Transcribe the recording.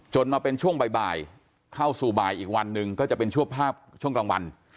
มาเป็นช่วงบ่ายเข้าสู่บ่ายอีกวันหนึ่งก็จะเป็นชั่วภาพช่วงกลางวัน